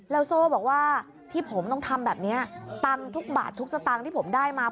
แล้วโซ่บอกว่าที่ผมต้องทำแบบนี้ตังค์ทุกบาททุกสตางค์ที่ผมได้มา